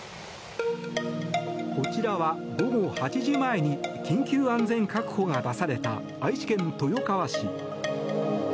こちらは午後８時前に緊急安全確保が出された愛知県豊川市。